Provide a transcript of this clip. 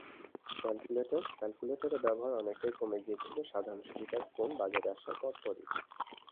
ক্যালকুলেটরক্যালকুলেটরের ব্যবহার অনেকটাই কমে গিয়েছিল সাধারণ সুবিধার ফোন বাজারে আসার পরপরই।